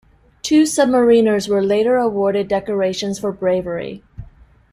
Two submariners were later awarded decorations for bravery.